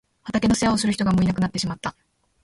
畑の世話をする人がもういなくなってしまった。